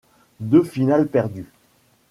Deux finales perdues.